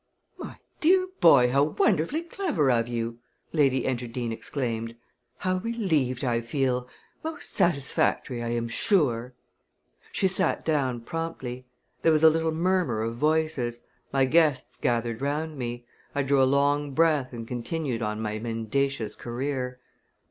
"My dear boy, how wonderfully clever of you!" Lady Enterdean exclaimed. "How relieved I feel! Most satisfactory, I am sure." She sat down promptly. There was a little murmur of voices. My guests gathered round me. I drew a long breath and continued on my mendacious career.